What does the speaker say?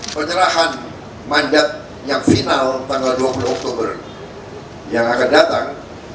penyerahan mandat yang final tanggal dua puluh oktober yang akan datang